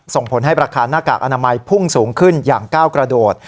ส่งผลให้ราคาหน้ากากอนามัยพุ่งสูงขึ้นอย่างก้าวกระโดด